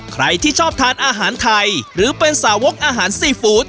ใครที่ชอบทานอาหารไทยหรือเป็นสาวกอาหารซีฟู้ด